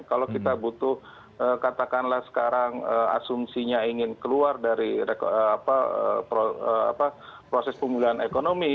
kalau kita butuh katakanlah sekarang asumsinya ingin keluar dari proses pemulihan ekonomi